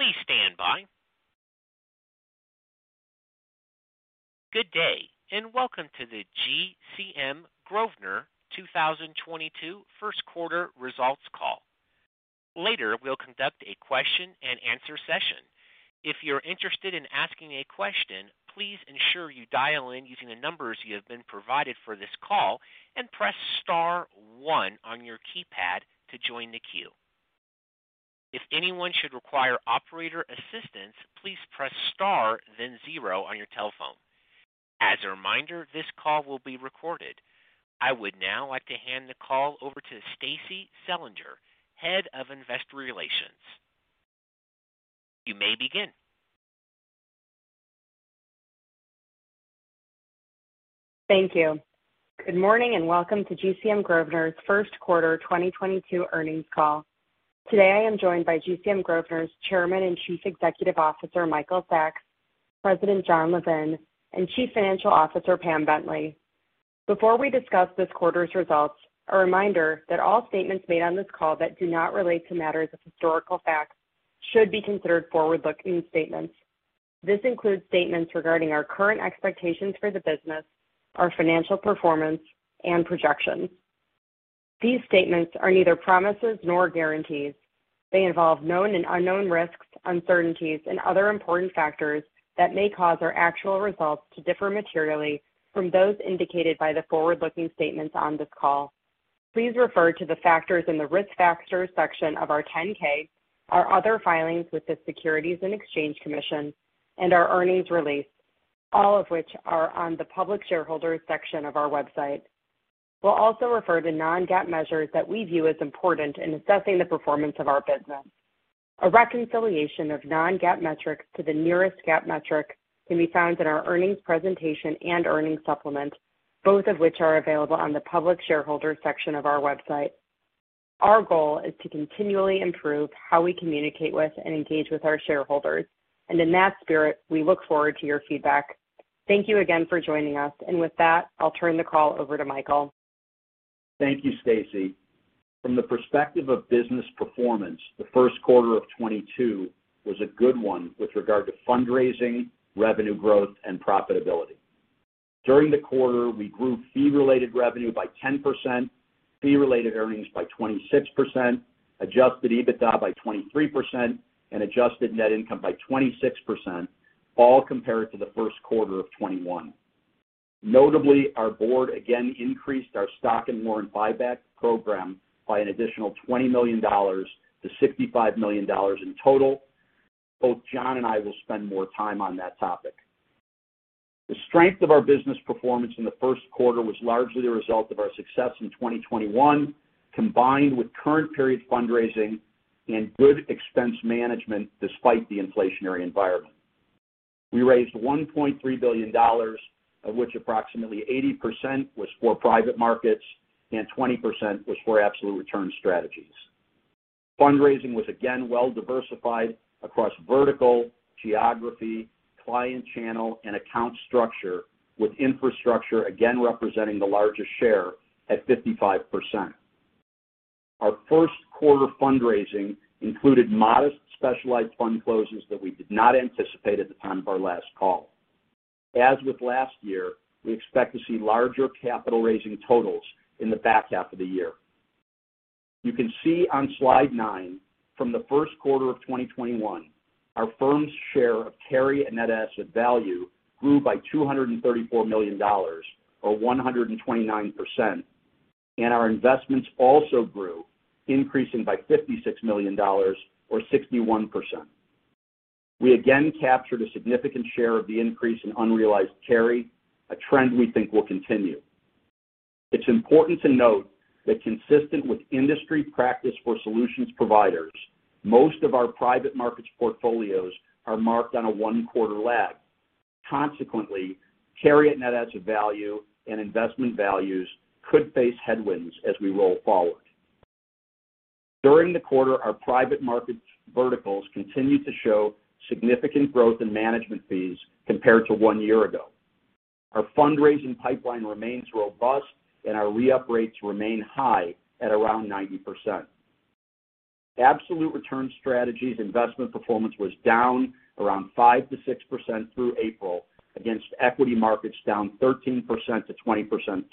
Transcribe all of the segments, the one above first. Please stand by. Good day, and welcome to the GCM Grosvenor 2022 first quarter results call. Later, we'll conduct a question and answer session. If you're interested in asking a question, please ensure you dial in using the numbers you have been provided for this call and press star one on your keypad to join the queue. If anyone should require operator assistance, please press star then zero on your telephone. As a reminder, this call will be recorded. I would now like to hand the call over to Stacie Selinger, Head of Investor Relations. You may begin. Thank you. Good morning and welcome to GCM Grosvenor's first quarter 2022 earnings call. Today, I am joined by GCM Grosvenor's Chairman and Chief Executive Officer, Michael Sacks, President Jon Levin, and Chief Financial Officer Pam Bentley. Before we discuss this quarter's results, a reminder that all statements made on this call that do not relate to matters of historical fact should be considered forward-looking statements. This includes statements regarding our current expectations for the business, our financial performance, and projections. These statements are neither promises nor guarantees. They involve known and unknown risks, uncertainties, and other important factors that may cause our actual results to differ materially from those indicated by the forward-looking statements on this call. Please refer to the factors in the Risk Factors section of our 10-K, our other filings with the Securities and Exchange Commission, and our earnings release, all of which are on the Public Shareholders section of our website. We'll also refer to non-GAAP measures that we view as important in assessing the performance of our business. A reconciliation of non-GAAP metrics to the nearest GAAP metric can be found in our earnings presentation and earnings supplement, both of which are available on the Public Shareholders section of our website. Our goal is to continually improve how we communicate with and engage with our shareholders, and in that spirit, we look forward to your feedback. Thank you again for joining us. With that, I'll turn the call over to Michael. Thank you, Stacie. From the perspective of business performance, the first quarter of 2022 was a good one with regard to fundraising, revenue growth, and profitability. During the quarter, we grew fee-related revenue by 10%, fee-related earnings by 26%, adjusted EBITDA by 23%, and adjusted net income by 26%, all compared to the first quarter of 2021. Notably, our board again increased our stock and warrant buyback program by an additional $20 million to $65 million in total. Both Jon and I will spend more time on that topic. The strength of our business performance in the first quarter was largely a result of our success in 2021, combined with current period fundraising and good expense management despite the inflationary environment. We raised $1.3 billion, of which approximately 80% was for private markets and 20% was for Absolute Return Strategies. Fundraising was again well diversified across vertical, geography, client channel, and account structure, with infrastructure again representing the largest share at 55%. Our first quarter fundraising included modest specialized fund closes that we did not anticipate at the time of our last call. As with last year, we expect to see larger capital raising totals in the back half of the year. You can see on slide nine, from the first quarter of 2021, our firm's share of carry and net asset value grew by $234 million or 129%, and our investments also grew, increasing by $56 million or 61%. We again captured a significant share of the increase in unrealized carry, a trend we think will continue. It's important to note that consistent with industry practice for solutions providers, most of our Private Markets portfolios are marked on a one-quarter lag. Consequently, carry and net asset value and investment values could face headwinds as we roll forward. During the quarter, our Private Markets verticals continued to show significant growth in management fees compared to one year ago. Our fundraising pipeline remains robust, and our re-up rates remain high at around 90%. Absolute Return Strategies investment performance was down around 5%-6% through April against equity markets down 13%-20%+.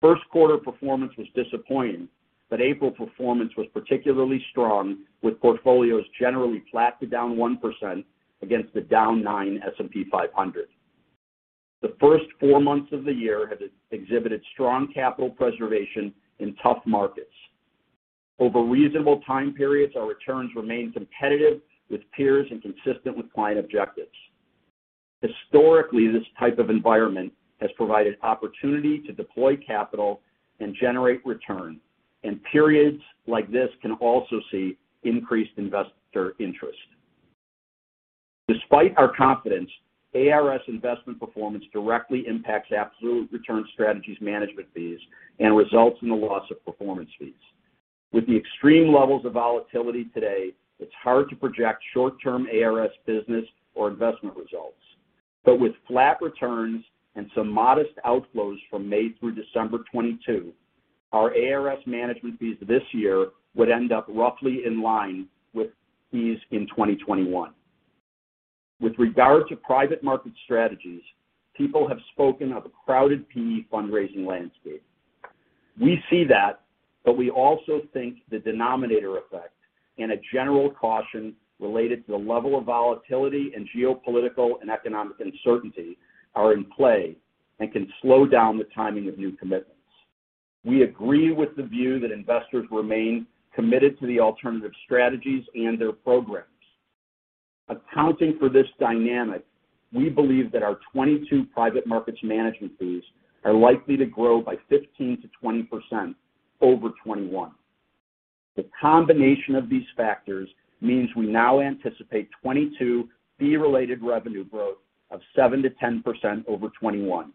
First quarter performance was disappointing, but April performance was particularly strong, with portfolios generally flat to down 1% against the down 9% S&P 500. The first four months of the year have exhibited strong capital preservation in tough markets. Over reasonable time periods, our returns remain competitive with peers and consistent with client objectives. Historically, this type of environment has provided opportunity to deploy capital and generate return, and periods like this can also see increased investor interest. Despite our confidence, ARS investment performance directly impacts Absolute Return Strategies management fees and results in the loss of performance fees. With the extreme levels of volatility today, it's hard to project short-term ARS business or investment results. With flat returns and some modest outflows from May through December 2022, our ARS management fees this year would end up roughly in line with fees in 2021. With regard to Private Market strategies, people have spoken of a crowded PE fundraising landscape. We see that, but we also think the denominator effect and a general caution related to the level of volatility and geopolitical and economic uncertainty are in play and can slow down the timing of new commitments. We agree with the view that investors remain committed to the alternative strategies and their programs. Accounting for this dynamic, we believe that our 2022 Private Markets management fees are likely to grow by 15%-20% over 2021. The combination of these factors means we now anticipate 2022 fee-related revenue growth of 7%-10% over 2021.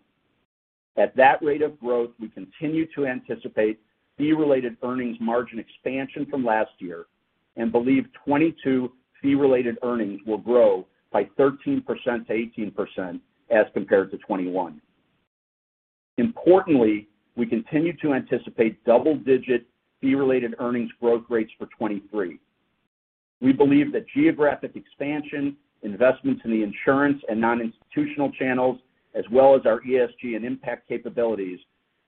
At that rate of growth, we continue to anticipate fee-related earnings margin expansion from last year and believe 2022 fee-related earnings will grow by 13%-18% as compared to 2021. Importantly, we continue to anticipate double-digit fee-related earnings growth rates for 2023. We believe that geographic expansion, investments in the insurance and non-institutional channels, as well as our ESG and impact capabilities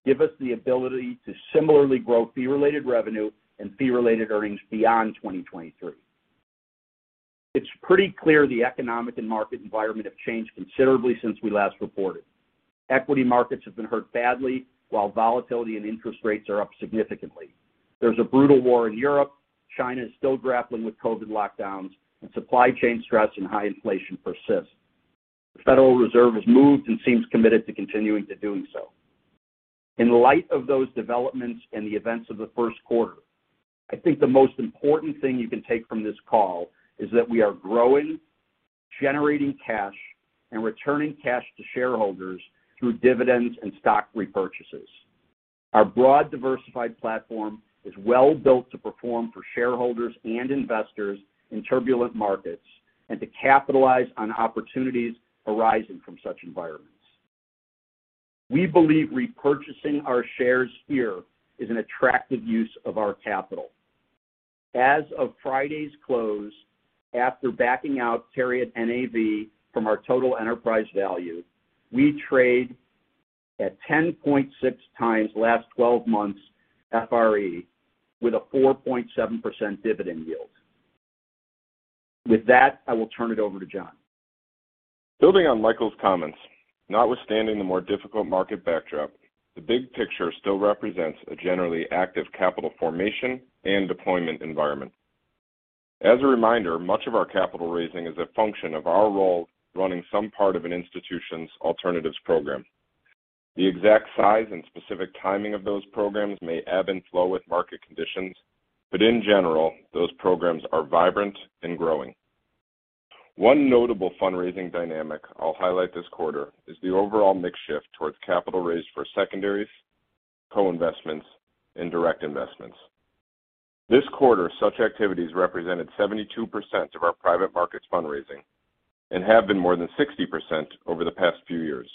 give us the ability to similarly grow fee-related revenue and fee-related earnings beyond 2023. It's pretty clear the economic and market environment has changed considerably since we last reported. Equity markets have been hurt badly, while volatility and interest rates are up significantly. There's a brutal war in Europe, China is still grappling with COVID lockdowns, and supply chain stress and high inflation persist. The Federal Reserve has moved and seems committed to continuing to do so. In light of those developments and the events of the first quarter, I think the most important thing you can take from this call is that we are growing, generating cash, and returning cash to shareholders through dividends and stock repurchases. Our broad, diversified platform is well-built to perform for shareholders and investors in turbulent markets and to capitalize on opportunities arising from such environments. We believe repurchasing our shares here is an attractive use of our capital. As of Friday's close, after backing out period NAV from our total enterprise value, we trade at 10.6x last 12 months FRE with a 4.7% dividend yield. With that, I will turn it over to Jon. Building on Michael's comments, notwithstanding the more difficult market backdrop, the big picture still represents a generally active capital formation and deployment environment. As a reminder, much of our capital raising is a function of our role running some part of an institution's alternatives program. The exact size and specific timing of those programs may ebb and flow with market conditions, but in general, those programs are vibrant and growing. One notable fundraising dynamic I'll highlight this quarter is the overall mix shift towards capital raised for secondaries, co-investments, and direct investments. This quarter, such activities represented 72% of our Private Markets fundraising and have been more than 60% over the past few years.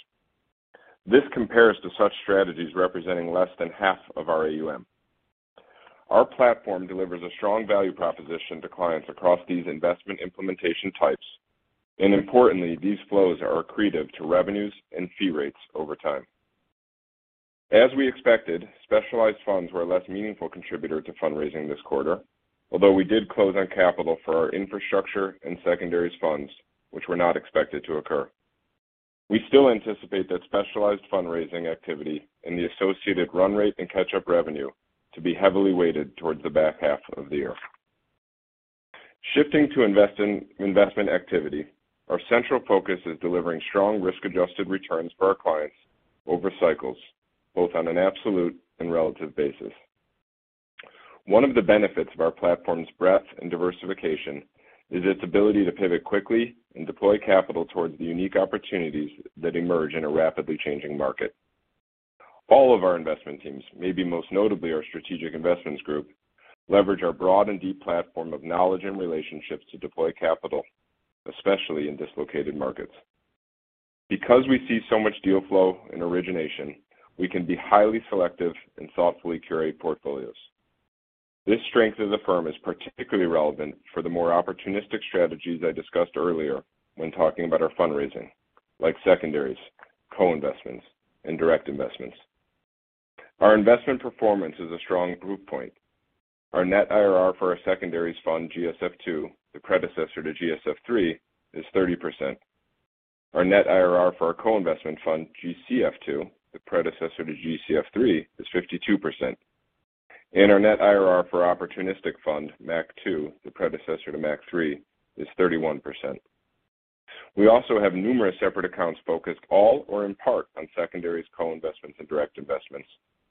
This compares to such strategies representing less than half of our AUM. Our platform delivers a strong value proposition to clients across these investment implementation types, and importantly, these flows are accretive to revenues and fee rates over time. As we expected, specialized funds were a less meaningful contributor to fundraising this quarter, although we did close on capital for our infrastructure and secondaries funds, which were not expected to occur. We still anticipate that specialized fundraising activity and the associated run rate and catch-up revenue to be heavily weighted towards the back half of the year. Shifting to investment activity, our central focus is delivering strong risk-adjusted returns for our clients over cycles, both on an absolute and relative basis. One of the benefits of our platform's breadth and diversification is its ability to pivot quickly and deploy capital towards the unique opportunities that emerge in a rapidly changing market. All of our investment teams, maybe most notably our Strategic Investments Group, leverage our broad and deep platform of knowledge and relationships to deploy capital, especially in dislocated markets. Because we see so much deal flow in origination, we can be highly selective in thoughtfully curated portfolios. This strength of the firm is particularly relevant for the more opportunistic strategies I discussed earlier when talking about our fundraising, like secondaries, co-investments, and direct investments. Our investment performance is a strong proof point. Our net IRR for our secondaries fund GSF II, the predecessor to GSF III, is 30%. Our net IRR for our co-investment fund GCF II, the predecessor to GCF III, is 52%. Our net IRR for opportunistic fund MAC II, the predecessor to MAC III, is 31%. We also have numerous separate accounts focused all or in part on secondaries, co-investments, and direct investments,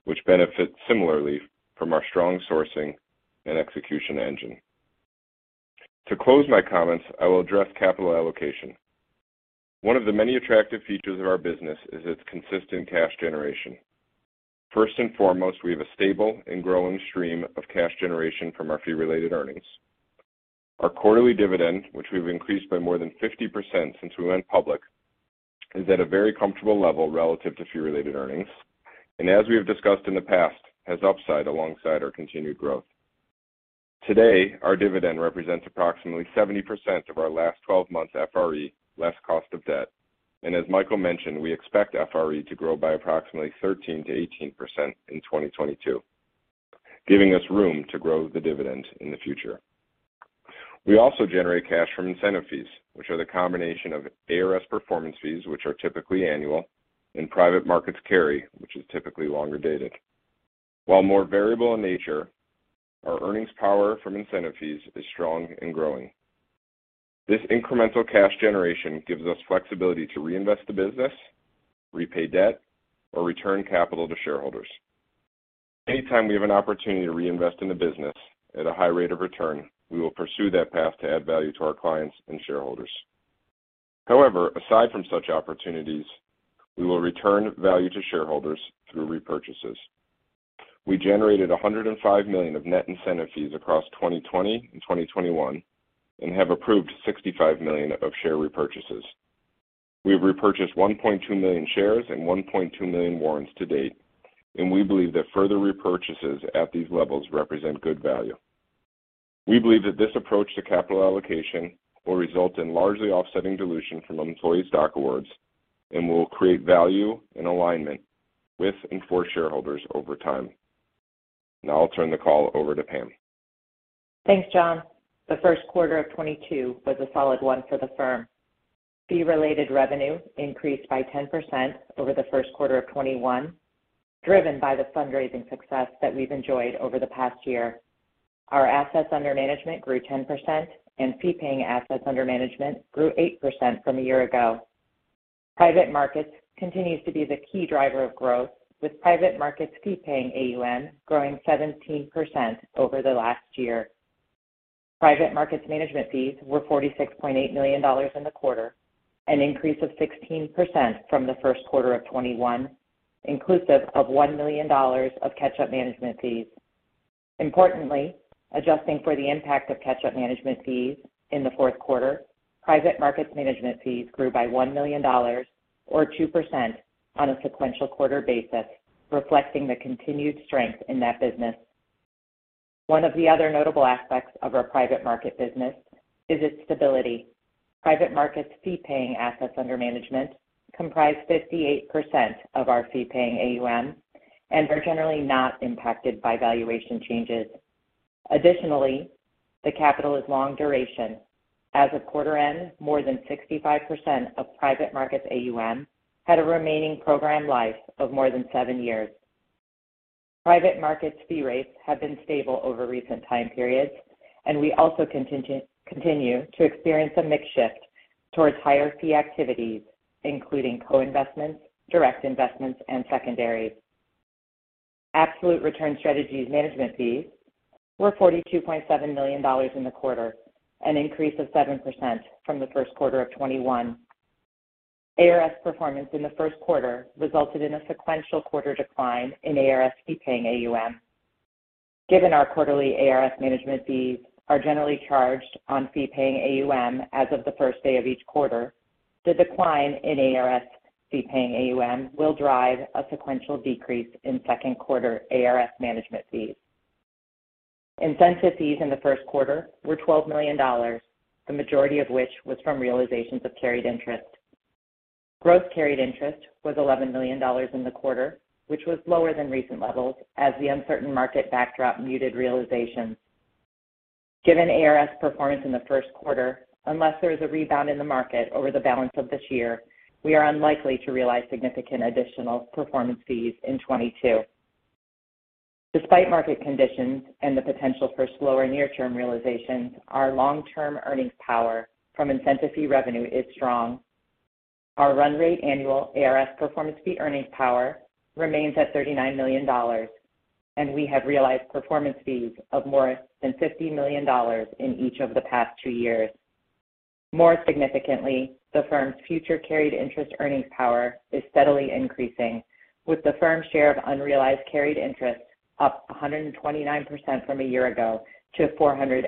which benefit similarly from our strong sourcing and execution engine. To close my comments, I will address capital allocation. One of the many attractive features of our business is its consistent cash generation. First and foremost, we have a stable and growing stream of cash generation from our fee-related earnings. Our quarterly dividend, which we've increased by more than 50% since we went public, is at a very comfortable level relative to fee-related earnings, and as we have discussed in the past, has upside alongside our continued growth. Today, our dividend represents approximately 70% of our last 12 months FRE, less cost of debt. As Michael mentioned, we expect FRE to grow by approximately 13%-18% in 2022, giving us room to grow the dividend in the future. We also generate cash from incentive fees, which are the combination of ARS performance fees, which are typically annual, and Private Markets carry, which is typically longer dated. While more variable in nature, our earnings power from incentive fees is strong and growing. This incremental cash generation gives us flexibility to reinvest the business, repay debt, or return capital to shareholders. Anytime we have an opportunity to reinvest in the business at a high rate of return, we will pursue that path to add value to our clients and shareholders. However, aside from such opportunities, we will return value to shareholders through repurchases. We generated $105 million of net incentive fees across 2020 and 2021, and have approved $65 million of share repurchases. We have repurchased 1.2 million shares and 1.2 million warrants to date, and we believe that further repurchases at these levels represent good value. We believe that this approach to capital allocation will result in largely offsetting dilution from employees' stock awards and will create value and alignment with and for shareholders over time. Now I'll turn the call over to Pam. Thanks, Jon. The first quarter of 2022 was a solid one for the firm. Fee-related revenue increased by 10% over the first quarter of 2021, driven by the fundraising success that we've enjoyed over the past year. Our assets under management grew 10%, and fee paying assets under management grew 8% from a year ago. Private Markets continues to be the key driver of growth, with Private Markets fee paying AUM growing 17% over the last year. Private Markets management fees were $46.8 million in the quarter, an increase of 16% from the first quarter of 2021, inclusive of $1 million of catch-up management fees. Importantly, adjusting for the impact of catch-up management fees in the fourth quarter, Private Markets management fees grew by $1 million or 2% on a sequential quarter basis, reflecting the continued strength in that business. One of the other notable aspects of our Private Markets business is its stability. Private Markets fee-paying assets under management comprise 58% of our fee-paying AUM and are generally not impacted by valuation changes. Additionally, the capital is long duration. As of quarter end, more than 65% of Private Markets AUM had a remaining program life of more than seven years. Private Markets fee rates have been stable over recent time periods, and we also continue to experience a mix shift towards higher fee activities, including co-investments, direct investments, and secondaries. Absolute Return Strategies management fees were $42.7 million in the quarter, an increase of 7% from the first quarter of 2021. ARS performance in the first quarter resulted in a sequential quarter decline in ARS fee-paying AUM. Given our quarterly ARS management fees are generally charged on fee-paying AUM as of the first day of each quarter, the decline in ARS fee-paying AUM will drive a sequential decrease in second quarter ARS management fees. Incentive fees in the first quarter were $12 million, the majority of which was from realizations of carried interest. Gross carried interest was $11 million in the quarter, which was lower than recent levels as the uncertain market backdrop muted realizations. Given ARS performance in the first quarter, unless there is a rebound in the market over the balance of this year, we are unlikely to realize significant additional performance fees in 2022. Despite market conditions and the potential for slower near-term realizations, our long-term earnings power from incentive fee revenue is strong. Our run rate annual ARS performance fee earnings power remains at $39 million, and we have realized performance fees of more than $50 million in each of the past two years. More significantly, the firm's future carried interest earnings power is steadily increasing, with the firm's share of unrealized carried interest up 129% from a year ago to $415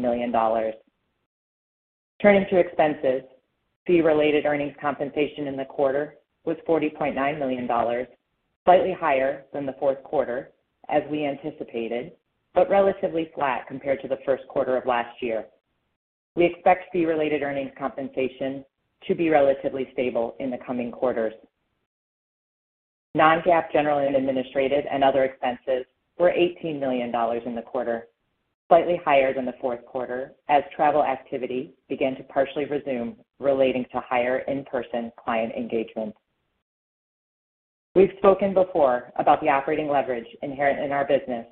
million. Turning to expenses, fee-related earnings compensation in the quarter was $40.9 million, slightly higher than the fourth quarter as we anticipated, but relatively flat compared to the first quarter of last year. We expect fee-related earnings compensation to be relatively stable in the coming quarters. Non-GAAP general and administrative and other expenses were $18 million in the quarter, slightly higher than the fourth quarter as travel activity began to partially resume relating to higher in-person client engagements. We've spoken before about the operating leverage inherent in our business,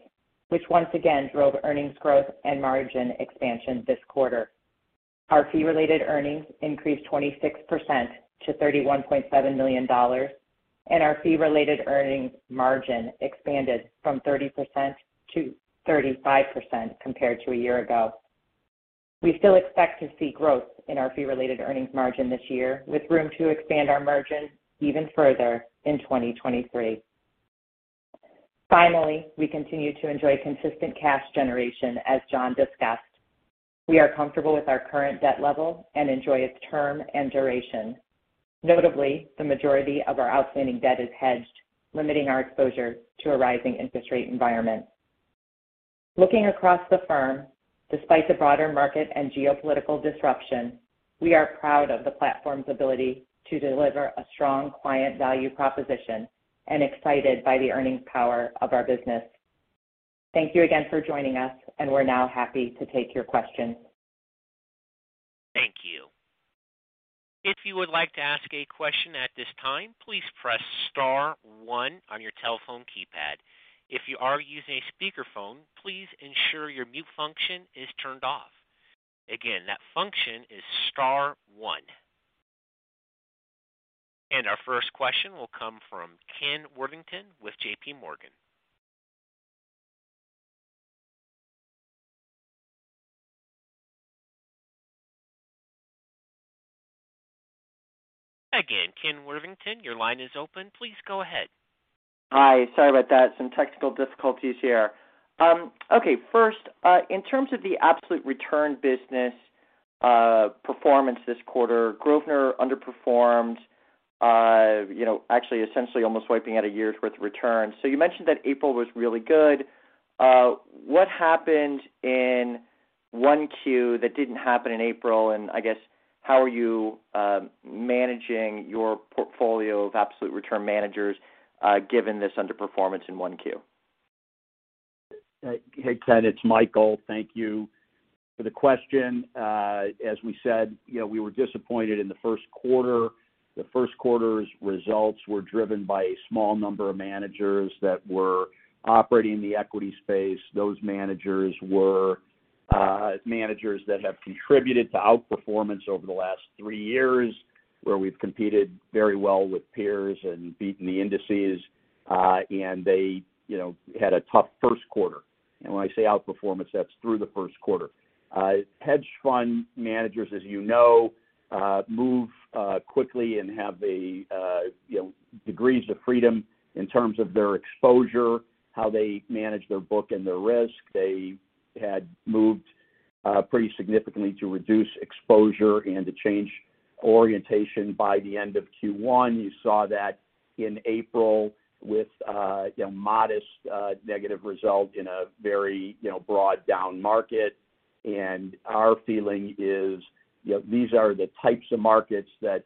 which once again drove earnings growth and margin expansion this quarter. Our fee-related earnings increased 26% to $31.7 million, and our fee-related earnings margin expanded from 30% to 35% compared to a year ago. We still expect to see growth in our fee-related earnings margin this year, with room to expand our margin even further in 2023. Finally, we continue to enjoy consistent cash generation, as Jon discussed. We are comfortable with our current debt level and enjoy its term and duration. Notably, the majority of our outstanding debt is hedged, limiting our exposure to a rising interest rate environment. Looking across the firm, despite the broader market and geopolitical disruption, we are proud of the platform's ability to deliver a strong client value proposition and excited by the earnings power of our business. Thank you again for joining us, and we're now happy to take your questions. Thank you. If you would like to ask a question at this time, please press star one on your telephone keypad. If you are using a speakerphone, please ensure your mute function is turned off. Again, that function is star one. Our first question will come from Ken Worthington with JPMorgan. Again, Ken Worthington, your line is open. Please go ahead. Hi. Sorry about that. Some technical difficulties here. Okay. First, in terms of the absolute return business, performance this quarter, Grosvenor underperformed, you know, actually essentially almost wiping out a year's worth of return. You mentioned that April was really good. What happened in 1Q that didn't happen in April, and I guess how are you managing your portfolio of absolute return managers, given this underperformance in 1Q? Hey, Ken, it's Michael. Thank you for the question. As we said, you know, we were disappointed in the first quarter. The first quarter's results were driven by a small number of managers that were operating in the equity space. Those managers were managers that have contributed to outperformance over the last three years, where we've competed very well with peers and beaten the indices, and they, you know, had a tough first quarter. When I say outperformance, that's through the first quarter. Hedge fund managers, as you know, move quickly and have a, you know, degrees of freedom in terms of their exposure, how they manage their book and their risk. They had moved pretty significantly to reduce exposure and to change orientation by the end of Q1. You saw that in April with, you know, modest, negative result in a very, you know, broad down market. Our feeling is, you know, these are the types of markets that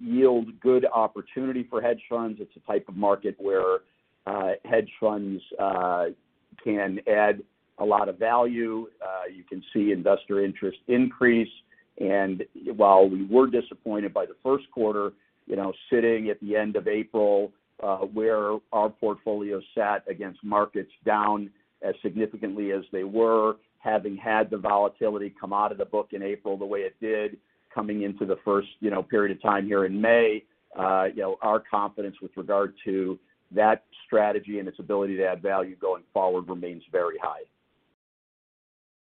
yield good opportunity for hedge funds. It's a type of market where, hedge funds can add a lot of value. You can see investor interest increase. While we were disappointed by the first quarter, you know, sitting at the end of April, where our portfolio sat against markets down as significantly as they were, having had the volatility come out of the book in April the way it did, coming into the first, you know, period of time here in May, you know, our confidence with regard to that strategy and its ability to add value going forward remains very high.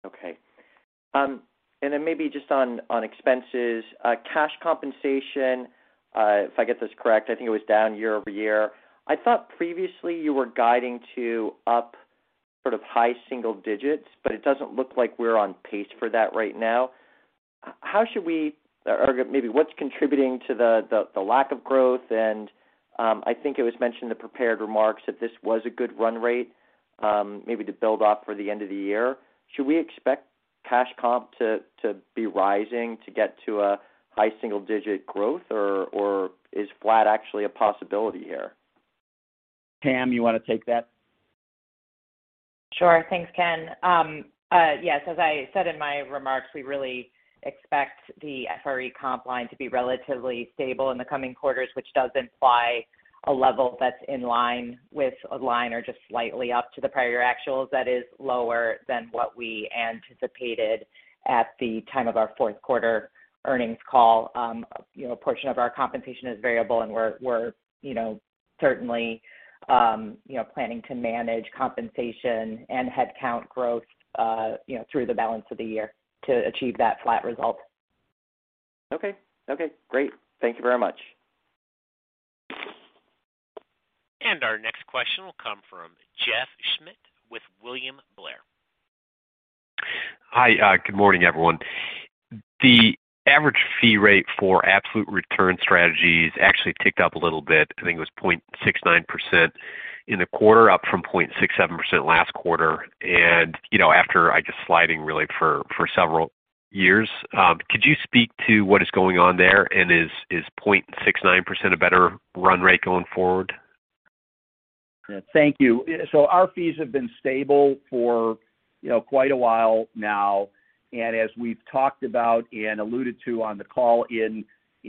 Okay. Maybe just on expenses, cash compensation, if I get this correct, I think it was down year-over-year. I thought previously you were guiding to up sort of high single digits, but it doesn't look like we're on pace for that right now. How should we or maybe what's contributing to the lack of growth? I think it was mentioned in the prepared remarks that this was a good run rate, maybe to build up for the end of the year. Should we expect cash comp to be rising to get to a high single digit growth or is flat actually a possibility here? Pam, you want to take that? Sure. Thanks, Ken. Yes, as I said in my remarks, we really expect the FRE comp line to be relatively stable in the coming quarters, which does imply a level that's in line with a line or just slightly up to the prior actuals that is lower than what we anticipated at the time of our fourth quarter earnings call. You know, a portion of our compensation is variable, and we're you know, certainly you know, planning to manage compensation and head count growth you know, through the balance of the year to achieve that flat result. Okay. Okay, great. Thank you very much. Our next question will come from Jeff Schmitt with William Blair. Hi. Good morning, everyone. The average fee rate for Absolute Return Strategies actually ticked up a little bit. I think it was 0.69% in the quarter, up from 0.67% last quarter. You know, after I guess sliding really for several years. Could you speak to what is going on there? Is 0.69% a better run rate going forward? Thank you. Our fees have been stable for, you know, quite a while now. As we've talked about and alluded to on the call, in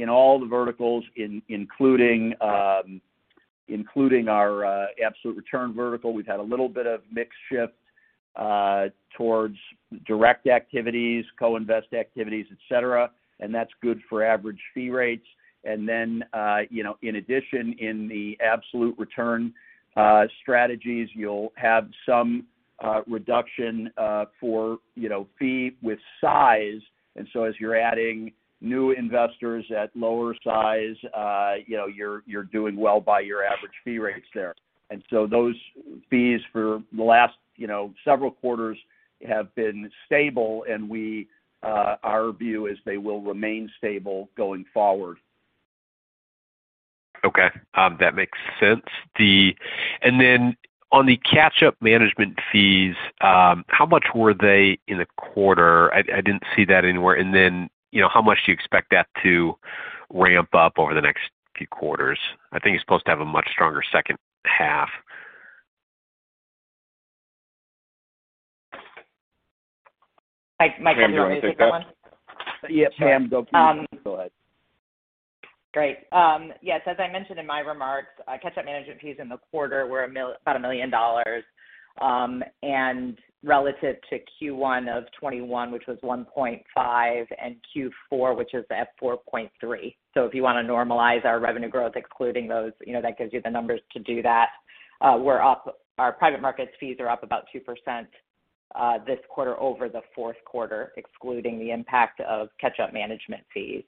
all the verticals, including our absolute return vertical, we've had a little bit of mix shift towards direct investments, co-investments, et cetera, and that's good for average fee rates. In addition, in the Absolute Return Strategies, you'll have some reduction for fee with size. As you're adding new investors at larger size, you know, you're doing well by your average fee rates there. Those fees for the last, you know, several quarters have been stable, and our view is they will remain stable going forward. Okay. That makes sense. On the catch-up management fees, how much were they in the quarter? I didn't see that anywhere. You know, how much do you expect that to ramp up over the next few quarters? I think you're supposed to have a much stronger second half. Mike, do you want me to take that one? Yeah, Pam, go for it. Go ahead. Great. Yes, as I mentioned in my remarks, catch-up management fees in the quarter were about $1 million, and relative to Q1 of 2021, which was $1.5 million, and Q4, which is at $4.3 million. If you wanna normalize our revenue growth excluding those, you know, that gives you the numbers to do that. Our Private Markets fees are up about 2% this quarter over the fourth quarter, excluding the impact of catch-up management fees.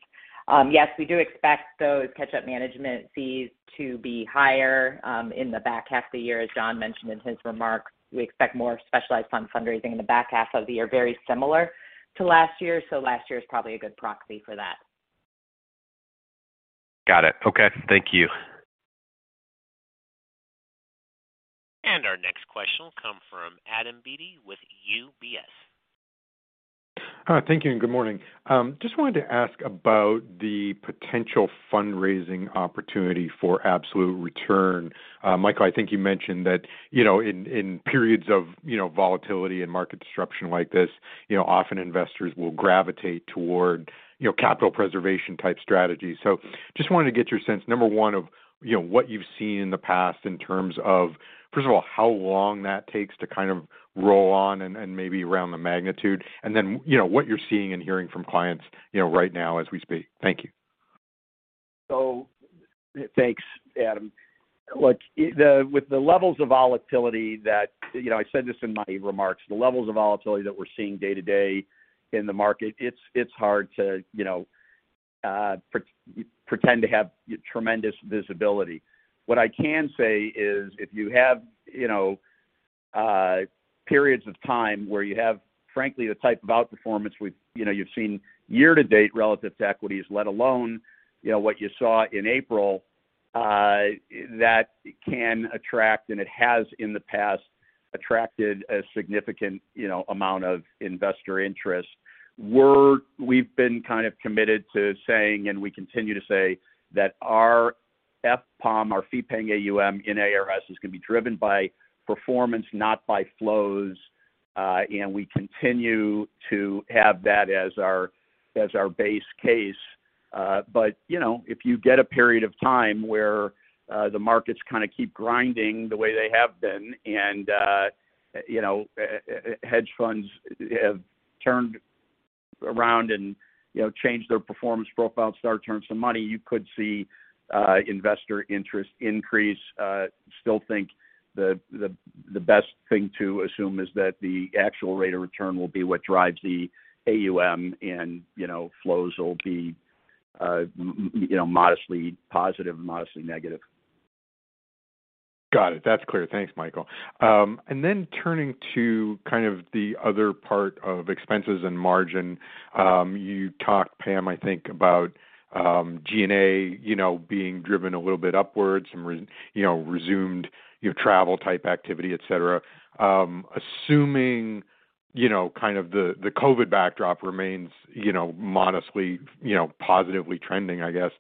Yes, we do expect those catch-up management fees to be higher in the back half of the year. As Jon mentioned in his remarks, we expect more specialized fund fundraising in the back half of the year, very similar to last year, so last year is probably a good proxy for that. Got it. Okay. Thank you. Our next question will come from Adam Beatty with UBS. Hi. Thank you, and good morning. Just wanted to ask about the potential fundraising opportunity for absolute return. Michael, I think you mentioned that, you know, in periods of, you know, volatility and market disruption like this, you know, often investors will gravitate toward, you know, capital preservation type strategies. Just wanted to get your sense, number one, of, you know, what you've seen in the past in terms of, first of all, how long that takes to kind of roll on and maybe around the magnitude. Then, you know, what you're seeing and hearing from clients, you know, right now as we speak. Thank you. Thanks, Adam. Look, with the levels of volatility that you know, I said this in my remarks. The levels of volatility that we're seeing day-to-day in the market, it's hard to, you know, pretend to have tremendous visibility. What I can say is if you have, you know, periods of time where you have, frankly, the type of outperformance with, you know, you've seen year to date relative to equities, let alone, you know, what you saw in April, that can attract, and it has in the past attracted a significant, you know, amount of investor interest. We've been kind of committed to saying, and we continue to say, that our FPAUM, our fee-paying AUM in ARS is gonna be driven by performance, not by flows. We continue to have that as our base case. You know, if you get a period of time where the markets kinda keep grinding the way they have been, and you know, hedge funds have turned around and you know, changed their performance profile, start to earn some money, you could see investor interest increase. Still think the best thing to assume is that the actual rate of return will be what drives the AUM and you know, flows will be you know, modestly positive, modestly negative. Got it. That's clear. Thanks, Michael. Turning to kind of the other part of expenses and margin. You talked, Pam, I think about G&A, you know, being driven a little bit upwards from resumed your travel type activity, et cetera. Assuming, you know, kind of the COVID backdrop remains, you know, modestly, you know, positively trending, I guess.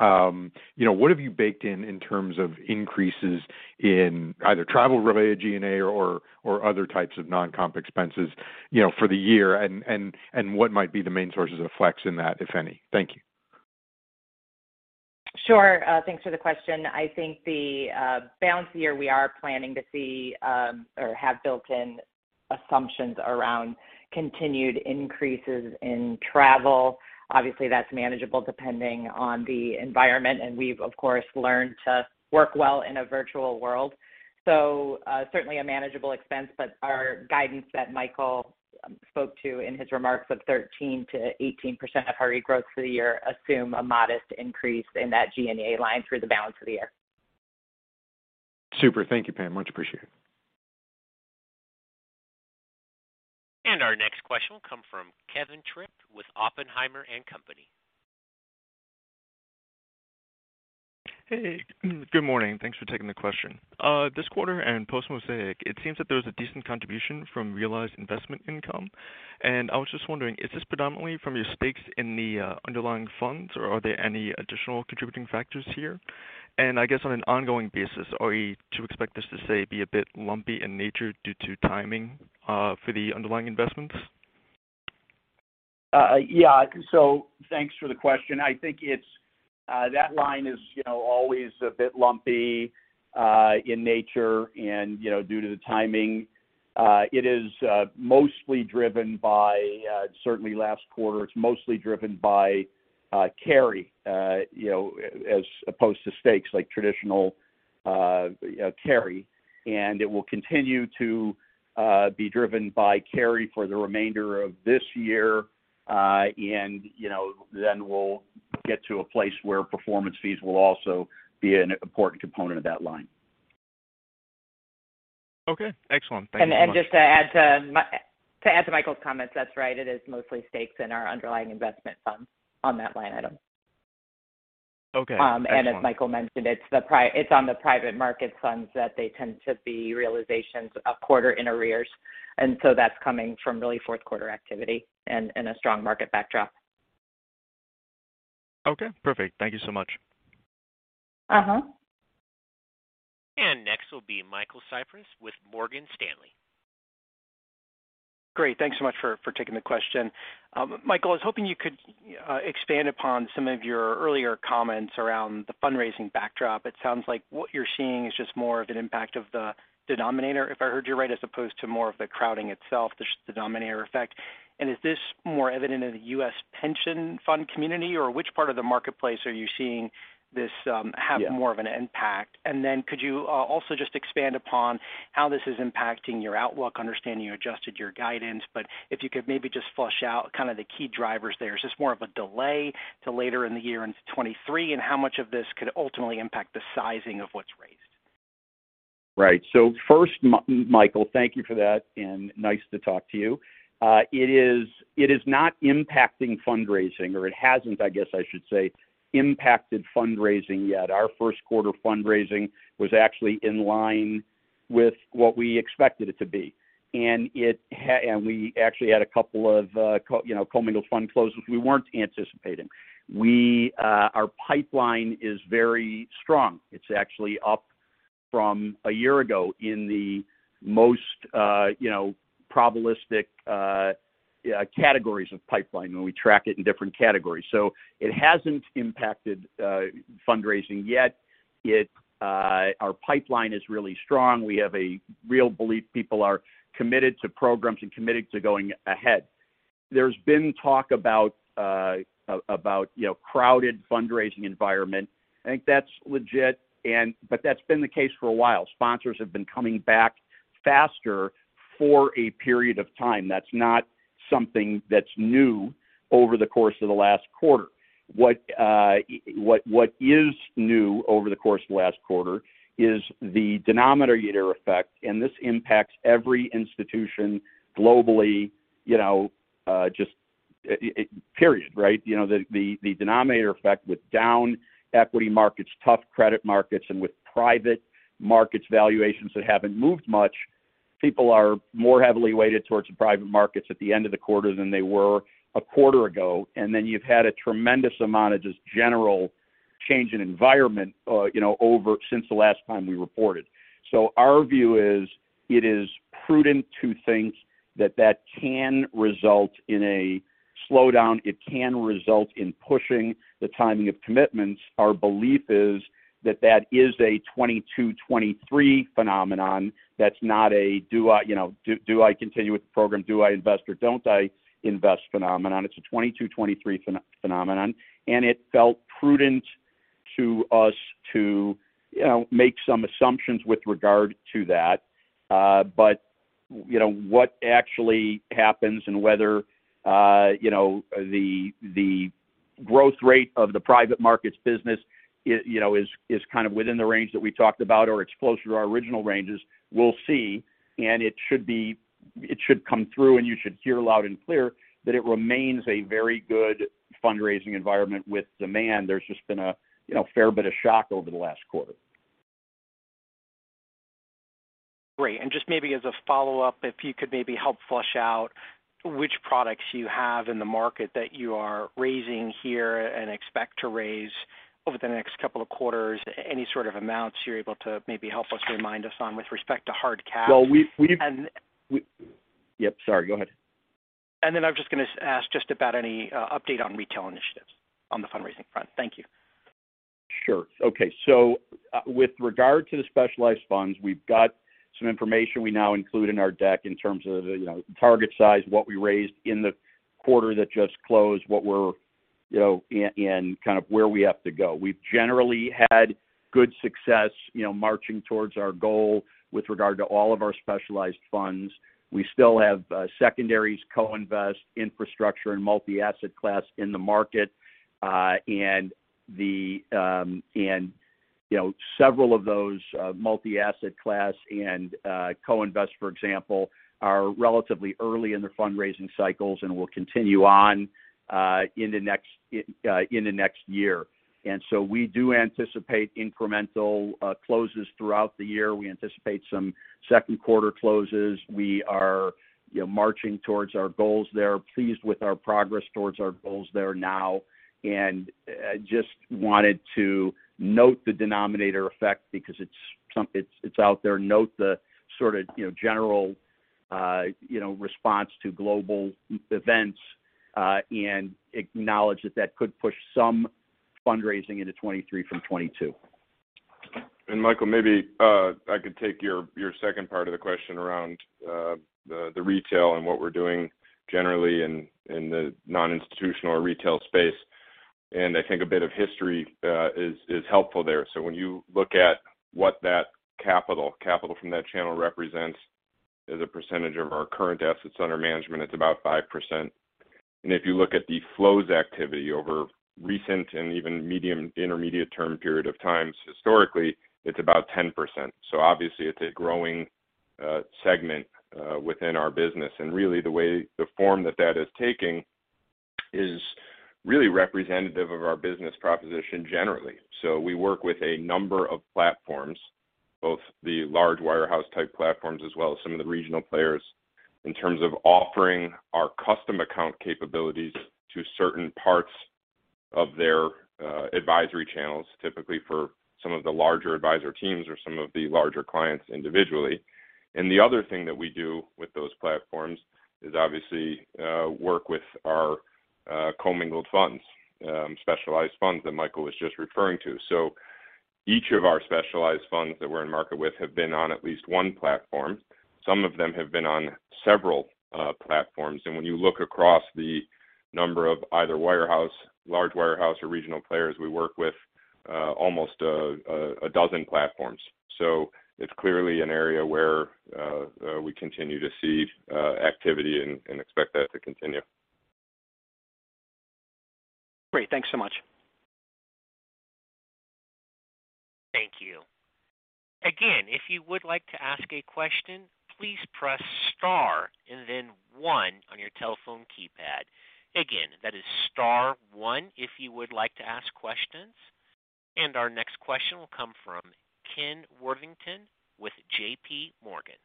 You know, what have you baked in in terms of increases in either travel-related G&A or other types of non-comp expenses, you know, for the year? What might be the main sources of flex in that, if any? Thank you. Sure. Thanks for the question. I think the balance of the year we are planning to see, or have built in assumptions around continued increases in travel. Obviously, that's manageable depending on the environment, and we've of course learned to work well in a virtual world. Certainly a manageable expense, but our guidance that Michael spoke to in his remarks of 13%-18% revenue growth for the year assume a modest increase in that G&A line through the balance of the year. Super. Thank you, Pam. Much appreciated. Our next question will come from Kevin Tripp with Oppenheimer & Co. Hey. Good morning. Thanks for taking the question. This quarter and post Mosaic, it seems that there was a decent contribution from realized investment income. I was just wondering, is this predominantly from your stakes in the underlying funds, or are there any additional contributing factors here? I guess on an ongoing basis, are we to expect this to, say, be a bit lumpy in nature due to timing for the underlying investments? Thanks for the question. I think it's that line is, you know, always a bit lumpy in nature and, you know, due to the timing. Certainly last quarter, it's mostly driven by carry, you know, as opposed to stakes like traditional carry, and it will continue to be driven by carry for the remainder of this year. You know, then we'll get to a place where performance fees will also be an important component of that line. Okay, excellent. Thank you very much. Just to add to Michael's comments, that's right. It is mostly stakes in our underlying investment funds on that line item. Okay, excellent. As Michael mentioned, it's on the Private Market funds that they tend to be realizations a quarter in arrears. That's coming from really fourth quarter activity and a strong market backdrop. Okay, perfect. Thank you so much. Uh-huh. Next will be Michael Cyprys with Morgan Stanley. Great. Thanks so much for taking the question. Michael, I was hoping you could expand upon some of your earlier comments around the fundraising backdrop. It sounds like what you're seeing is just more of an impact of the denominator, if I heard you right, as opposed to more of the crowding itself, just the denominator effect. Is this more evident in the U.S. pension fund community, or which part of the marketplace are you seeing this— Yeah. — have more of an impact? Could you also just expand upon how this is impacting your outlook? Understanding you adjusted your guidance, but if you could maybe just flesh out kind of the key drivers there. Is this more of a delay to later in the year into 2023, and how much of this could ultimately impact the sizing of what's raised? Right. First, Michael, thank you for that, and nice to talk to you. It is not impacting fundraising, or it hasn't, I guess I should say, impacted fundraising yet. Our first quarter fundraising was actually in line with what we expected it to be. We actually had a couple of you know, commingled fund closes we weren't anticipating. Our pipeline is very strong. It's actually up from a year ago in the most you know, probabilistic categories of pipeline, when we track it in different categories. It hasn't impacted fundraising yet. Our pipeline is really strong. We have a real belief people are committed to programs and committed to going ahead. There's been talk about about you know, crowded fundraising environment. I think that's legit and. That's been the case for a while. Sponsors have been coming back faster for a period of time. That's not something that's new over the course of the last quarter. What is new over the course of the last quarter is the denominator effect, and this impacts every institution globally, you know, just period, right? You know, the denominator effect with down equity markets, tough credit markets, and with Private Markets valuations that haven't moved much. People are more heavily weighted towards Private Markets at the end of the quarter than they were a quarter ago. Then you've had a tremendous amount of just general change in environment, you know, over since the last time we reported. Our view is it is prudent to think that that can result in a slowdown. It can result in pushing the timing of commitments. Our belief is that is a 2022, 2023 phenomenon. That's not a do I continue with the program? Do I invest or don't I invest phenomenon. It's a 2022, 2023 phenomenon, and it felt prudent to us to make some assumptions with regard to that. But what actually happens and whether the growth rate of the Private Markets business is kind of within the range that we talked about or it's closer to our original ranges, we'll see. It should come through and you should hear loud and clear that it remains a very good fundraising environment with demand. There's just been a fair bit of shock over the last quarter. Great. Just maybe as a follow-up, if you could maybe help flesh out which products you have in the market that you are raising here and expect to raise over the next couple of quarters. Any sort of amounts you're able to maybe help us remind us on with respect to hard cash? Well, we— And— Yep, sorry, go ahead. I'm just gonna ask just about any update on retail initiatives on the fundraising front. Thank you. Sure. Okay. With regard to the specialized funds, we've got some information we now include in our deck in terms of, you know, target size, what we raised in the quarter that just closed, what we're, you know, and kind of where we have to go. We've generally had good success, you know, marching towards our goal with regard to all of our specialized funds. We still have secondaries, co-invest, infrastructure, and multi-asset class in the market. You know, several of those, multi-asset class and co-invest, for example, are relatively early in their fundraising cycles and will continue on in the next year. We do anticipate incremental closes throughout the year. We anticipate some second quarter closes. We are, you know, marching towards our goals there, pleased with our progress towards our goals there now. Just wanted to note the denominator effect because it's out there. Note the sort of, you know, general response to global events, and acknowledge that that could push some fundraising into 2023 from 2022. Michael, maybe I could take your second part of the question around the retail and what we're doing generally in the non-institutional or retail space. I think a bit of history is helpful there. When you look at what that capital from that channel represents as a percentage of our current assets under management, it's about 5%. If you look at the flows activity over recent and even medium, intermediate term period of time, historically, it's about 10%. Obviously it's a growing segment within our business. Really the way the form that that is taking is really representative of our business proposition generally. We work with a number of platforms, both the large warehouse type platforms as well as some of the regional players, in terms of offering our custom account capabilities to certain parts of their advisory channels, typically for some of the larger advisor teams or some of the larger clients individually. The other thing that we do with those platforms is obviously work with our commingled funds, specialized funds that Michael was just referring to. Each of our specialized funds that we're in market with have been on at least one platform. Some of them have been on several platforms. When you look across the number of either warehouse, large warehouse or regional players, we work with, almost a dozen platforms. It's clearly an area where we continue to see activity and expect that to continue. Great. Thanks so much. Thank you. Again, if you would like to ask a question, please press star and then one on your telephone keypad. Again, that is star one if you would like to ask questions. Our next question will come from Ken Worthington with JPMorgan.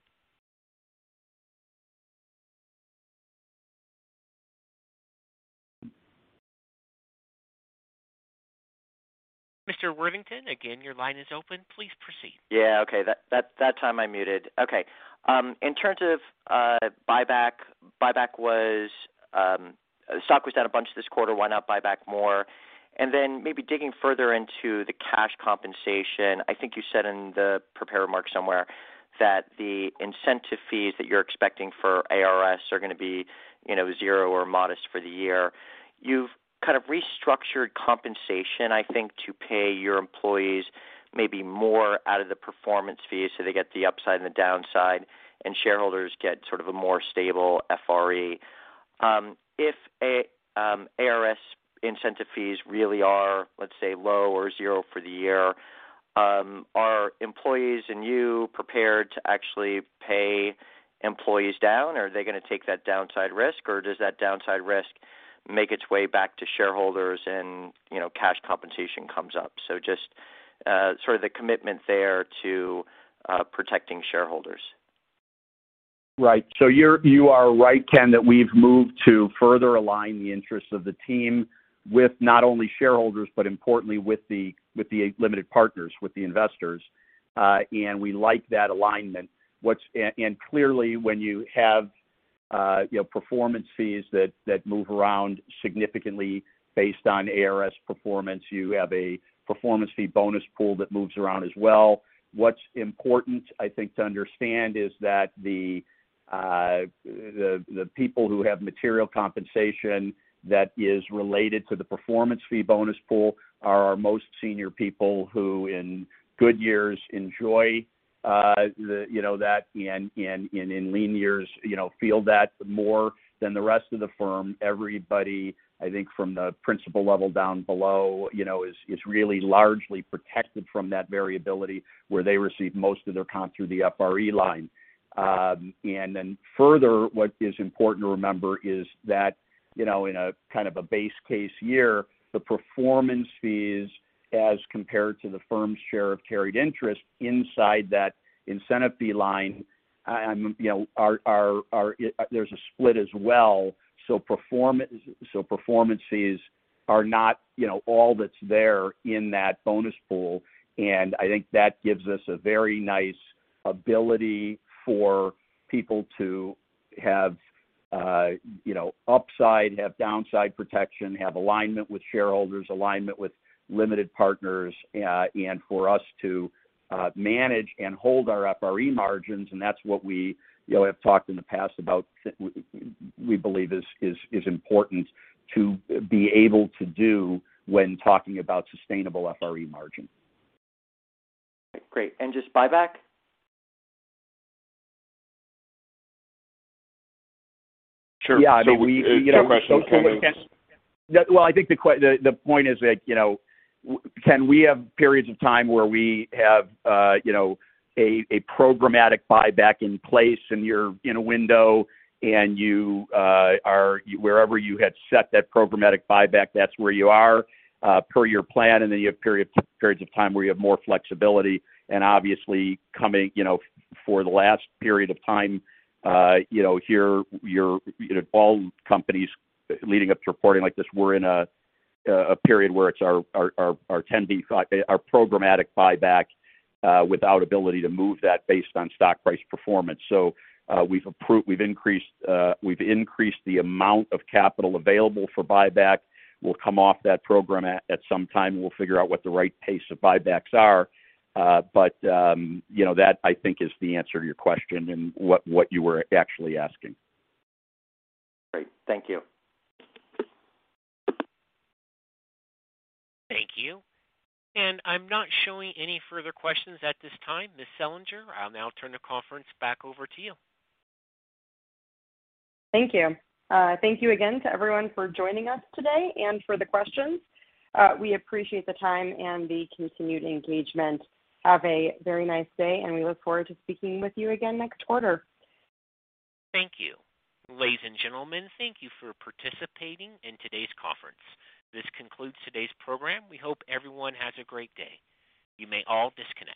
Mr. Worthington, again, your line is open. Please proceed. Yeah. Okay, that time I muted. Okay, in terms of buyback was stock was down a bunch this quarter. Why not buy back more? Then maybe digging further into the cash compensation. I think you said in the prepared remarks somewhere that the incentive fees that you're expecting for ARS are gonna be, you know, zero or modest for the year. You've kind of restructured compensation, I think, to pay your employees maybe more out of the performance fee, so they get the upside and the downside, and shareholders get sort of a more stable FRE. If ARS incentive fees really are, let's say, low or zero for the year, are employees and you prepared to actually pay employees down? Are they gonna take that downside risk, or does that downside risk make its way back to shareholders and, you know, cash compensation comes up? Just, sort of the commitment there to protecting shareholders. Right. You are right, Ken, that we've moved to further align the interests of the team with not only shareholders, but importantly with the limited partners, with the investors. We like that alignment. Clearly, when you have performance fees that move around significantly based on ARS performance, you have a performance fee bonus pool that moves around as well. What's important, I think, to understand is that the people who have material compensation that is related to the performance fee bonus pool are our most senior people who in good years enjoy that and in lean years feel that more than the rest of the firm. Everybody, I think from the principal level down below, you know, is really largely protected from that variability where they receive most of their comp through the FRE line. Then further, what is important to remember is that, you know, in a kind of a base case year, the performance fees as compared to the firm's share of carried interest inside that incentive fee line, you know, are. There's a split as well, so performance fees are not, you know, all that's there in that bonus pool. I think that gives us a very nice ability for people to have, you know, upside, have downside protection, have alignment with shareholders, alignment with limited partners, and for us to, manage and hold our FRE margins. That's what we, you know, have talked in the past about we believe is important to be able to do when talking about sustainable FRE margin. Great, and just buyback? Sure. Yeah. I mean, you know, well, I think the point is that, you know, Ken, we have periods of time where we have, you know, a programmatic buyback in place, and you're in a window, and you are wherever you had set that programmatic buyback, that's where you are, per your plan. You have periods of time where you have more flexibility. Obviously coming, you know, for the last period of time, you know, here all companies leading up to reporting like this, we're in a period where it's our 10b5-1, our programmatic buyback, without ability to move that based on stock price performance. We've approved, we've increased the amount of capital available for buyback. We'll come off that program at some time, and we'll figure out what the right pace of buybacks are. You know, that, I think, is the answer to your question and what you were actually asking. Great. Thank you. Thank you. I'm not showing any further questions at this time. Ms. Selinger, I'll now turn the conference back over to you. Thank you. Thank you again to everyone for joining us today and for the questions. We appreciate the time and the continued engagement. Have a very nice day, and we look forward to speaking with you again next quarter. Thank you. Ladies and gentlemen, thank you for participating in today's conference. This concludes today's program. We hope everyone has a great day. You may all disconnect.